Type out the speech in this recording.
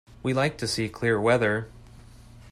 We like to see clear weather.